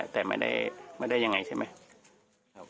แต่ไม่ได้ยังไงใช่ไหม